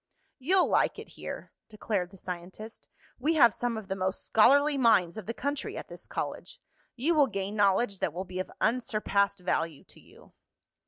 "You'll like it here," declared the scientist. "We have some of the most scholarly minds of the country at this college. You will gain knowledge that will be of unsurpassed value to you."